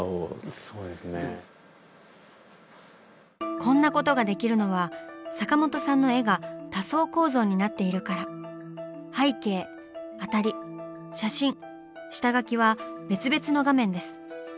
こんなことができるのは坂本さんの絵が多層構造になっているから。は別々の画面です。